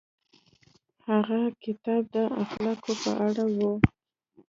هغه کتاب د اخلاقو په اړه و.